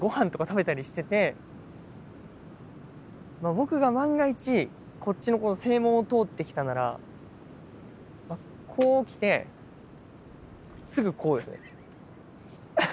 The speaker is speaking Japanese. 僕が万が一こっちのこの正門を通ってきたならこう来てすぐこうですね。